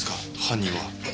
犯人は。